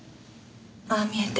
ああ見えて。